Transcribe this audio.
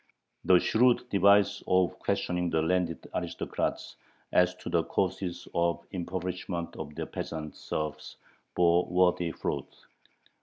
The shrewd device of questioning the landed aristocrats as to the causes of the impoverishment of their peasant serfs bore worthy fruit.